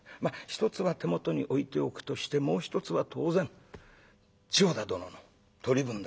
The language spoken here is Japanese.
一つは手元に置いておくとしてもう一つは当然千代田殿の取り分だと思う。